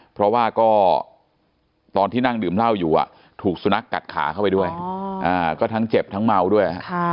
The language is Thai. เพราะว่าก็ตอนที่นั่งดื่มเหล้าอยู่ถูกสุนัขกัดขาเข้าไปด้วยก็ทั้งเจ็บทั้งเมาด้วย